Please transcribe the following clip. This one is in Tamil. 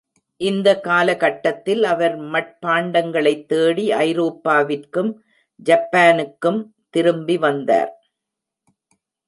இந்த காலகட்டத்தில், அவர் மட்பாண்டங்களைத் தேடி ஐரோப்பாவிற்கும் ஜப்பானுக்கும் திரும்பி வந்தார்.